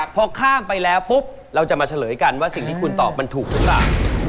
พอข้ามไปแล้วปุ๊บเราจะมาเฉลยกันว่าสิ่งที่คุณตอบมันถูกหรือเปล่า